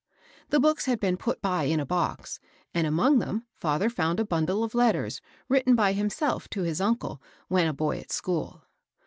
The books had been put by in a box, and among them &ther found a bundle of letters writ ten by himself to his uncle wh^i a boy at school.